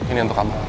ini untuk kamu